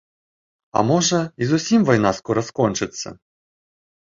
А можа, і зусім вайна скора скончыцца.